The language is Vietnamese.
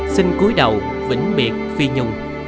sinh cuối đầu vĩnh biệt phi nhung